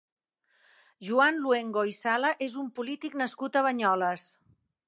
Joan Luengo i Sala és un polític nascut a Banyoles.